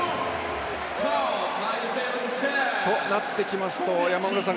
となってきますと、山村さん